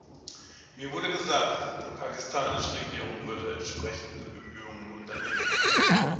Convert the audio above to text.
Mir wurde gesagt, die pakistanische Regierung würde entsprechende Bemühungen unternehmen.